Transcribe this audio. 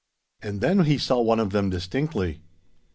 And then he saw one of them distinctly.